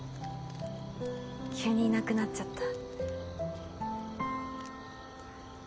急にいなくなっちゃった。